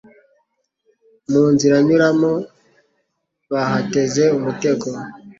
Mu nzira nyuramo bahateze umutego